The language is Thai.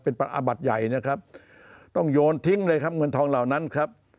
เป็นอาบัติใหญ่นะครับต้องโยนทิ้งเลยครับเงินทองเหล่านั้นครับ